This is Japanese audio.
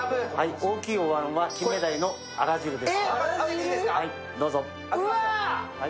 大きいおわんは金目鯛のあら汁です。